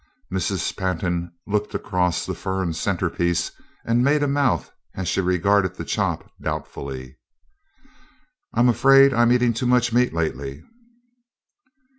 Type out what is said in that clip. Mrs. Pantin looked across the fern centerpiece and made a mouth as she regarded the chop doubtfully. "I'm afraid I am eating too much meat lately."